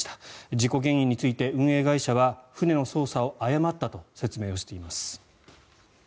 事故原因について、運営会社は船の操作を誤ったと説明しています。